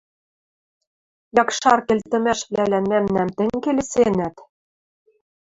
Якшар келтӹмӓшвлӓлӓн мӓмнӓм тӹнь келесенӓт?